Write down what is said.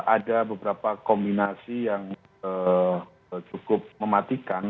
ada beberapa kombinasi yang cukup mematikan